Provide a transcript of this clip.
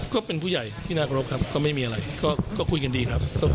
ก็เป็นผู้ใหญ่ที่น่ารบครับก็ไม่มีอะไรก็คุยกันดีครับ